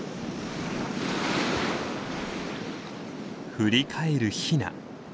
振り返るヒナ。